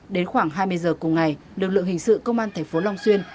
đến khoảng hai mươi giờ cùng ngày lực lượng hình sự công an thành phố long xuyên